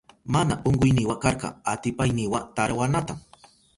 Mana unkuynima karka atipaynima tarawanata.